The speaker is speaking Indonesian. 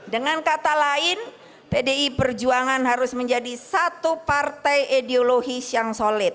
dengan kata lain pdi perjuangan harus menjadi satu partai ideologis yang solid